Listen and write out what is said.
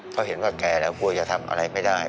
เขาเห็นว่าแกร้ากลัวจะทำอะไรไม่ได้